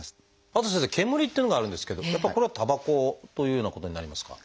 あと先生煙っていうのがあるんですけどやっぱこれはたばこというようなことになりますか？